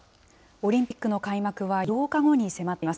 オリンピックの開幕は８日後に迫っています。